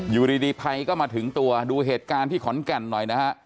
อยู่ดีภัยก็มาถึงตัวดูเหตุการณ์ที่ขอนแก่นหน่อยนะฮะ